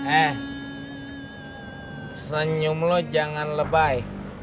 eh senyum lo jangan lebay